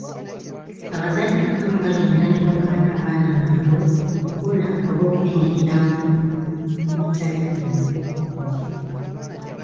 Abazadde abamu bagenda ne bagaana abaana baabwe okukola oba okwenyigira mu ebitali bimu.